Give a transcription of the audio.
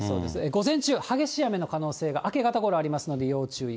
午前中、激しい雨の可能性が、明け方ごろありますので、要注意。